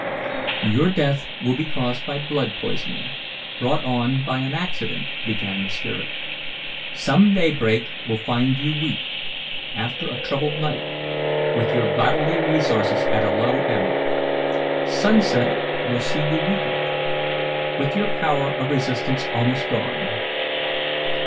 "Your death will be caused by blood poisoning, brought on by an accident," began the spirit. "Some daybreak will find you weak, after a troubled night, with your bodily resources at a low ebb. Sunset will see you weaker, with your power of resistance almost gone.